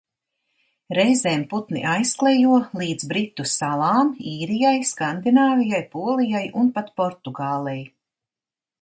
Reizēm putni aizklejo līdz Britu salām, Īrijai, Skandināvijai, Polijai un pat Portugālei.